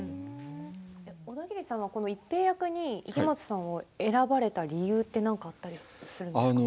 オダギリさんはこの一平役に池松さんを選ばれた理由ってなんかあったりするんですか？